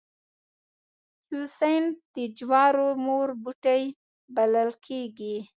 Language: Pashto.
تیوسینټ د جوارو مور بوټی بلل کېږي